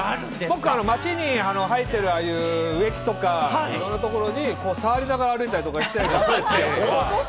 僕は街に生えている植木とか、いろんなところに触りながら歩いたりしています。